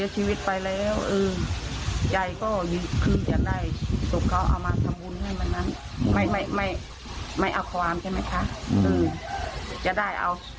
จะได้เอาอะไรสุดเขามาทำคุณให้มันสิทธิ์